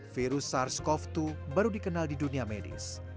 virus sars cov dua baru dikenal di dunia medis